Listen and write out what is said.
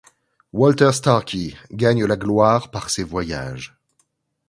Walter Starkie gagne la gloire par ses voyages.